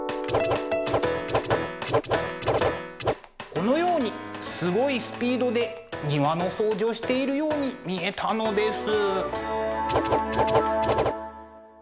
このようにすごいスピードで庭の掃除をしているように見えたのです。